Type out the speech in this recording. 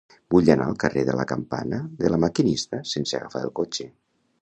Vull anar al carrer de la Campana de La Maquinista sense agafar el cotxe.